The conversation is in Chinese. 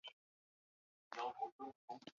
爱丁堡数学学会是苏格兰主要的数学组织。